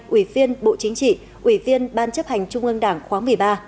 ủy viên bộ chính trị ủy viên ban chấp hành trung ương đảng khóa một mươi ba